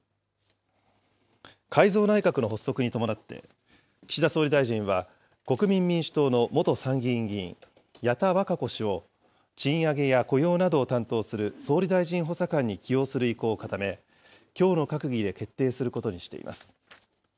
改造内閣の発足に伴って、岸田総理大臣は、国民民主党の元参議院議員、矢田稚子氏を、賃上げや雇用などを担当する総理大臣補佐官に起用する意向を固め、きょうの閣議で決定することにしています。